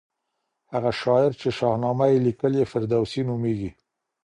هغه شاعر چي شاهنامه يې ليکلې، فردوسي نومېږي.